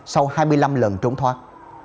sau hai mươi năm lần trốn thoát